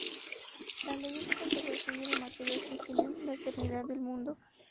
Las leyes de conservación de la materia sugieren la eternidad del mundo.